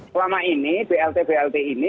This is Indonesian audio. selama ini blt blt ini